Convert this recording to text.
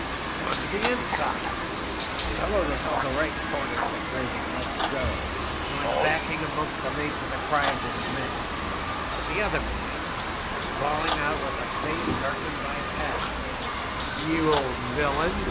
' from under the ensign. " The fellow that held the right corner of the grating let go, and went backing amongst his mates with a cry of dismay ; but the other man, bawling out with a face darkened by passion, *You old villain!